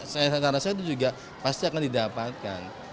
saya rasa itu juga pasti akan didapatkan